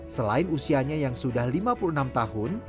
selain usianya yang sudah lima puluh enam tahun